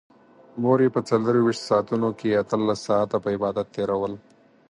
مور يې په څلرويشت ساعتونو کې اتلس ساعته په عبادت تېرول.